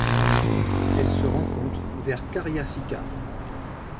Elle se rencontre vers Cariacica.